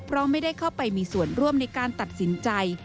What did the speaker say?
เพราะไม่ได้เข้าไปมีส่วนร่วมในการตัดสินใจ